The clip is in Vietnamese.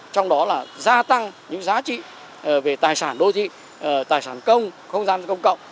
trong đó là gia tăng những giá trị về tài sản đô thị tài sản công không gian công cộng